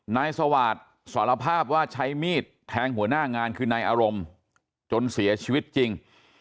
นายสวาสตร์สารภาพว่าใช้มีดแทงหัวหน้างานคือนายอารมณ์จนเสียชีวิตจริง